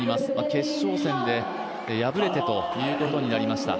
決勝戦で敗れてということになりました。